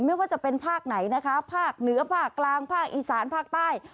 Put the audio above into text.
ไม่ว่าจะเป็นภาคไหนนะคะภาคเหนือภาคกลางภาคอีสานภาคใต้